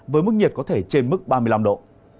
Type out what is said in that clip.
với mức nhiệt có thể trên mức ba mươi năm độ